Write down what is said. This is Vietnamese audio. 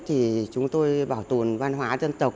thì chúng tôi bảo tồn văn hoá dân tộc